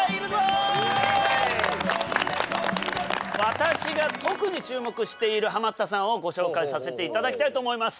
私が特に注目しているハマったさんをご紹介させて頂きたいと思います。